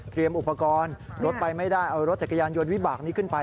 อุปกรณ์รถไปไม่ได้เอารถจักรยานยนต์วิบากนี้ขึ้นไป